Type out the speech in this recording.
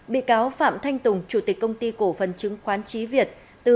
bị cáo phạm thanh tùng chủ tịch công ty cổ phần chứng khoán trí việt